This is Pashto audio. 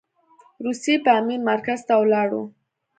روسي پامیر مرکز ته ولاړو.